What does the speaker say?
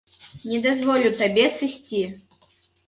Не дазволю табе сысці.